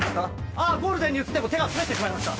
ああゴールデンに移っても手が滑ってしまいました。